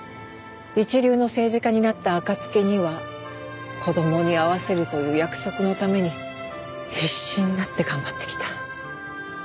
一流の政治家になった暁には子供に会わせるという約束のために必死になって頑張ってきた。